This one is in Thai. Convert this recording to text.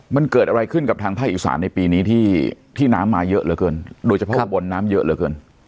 มันเกิดอะไรขึ้นกับทางภาคอีสานในปีนี้ที่ที่น้ำมาเยอะเหลือเกินโดยเฉพาะอุบลน้ำเยอะเหลือเกิน